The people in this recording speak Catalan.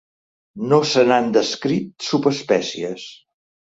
No se n'han descrit subespècies.